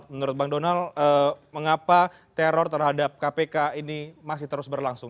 menurut bang donal mengapa teror terhadap kpk ini masih terus berlangsung